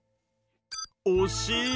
おしい。